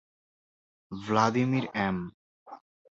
Vladimir M.